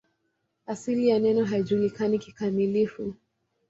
Asili ya neno haijulikani kikamilifu.